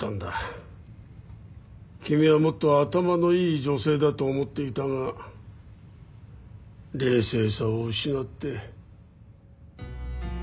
君はもっと頭のいい女性だと思っていたが冷静さを失って。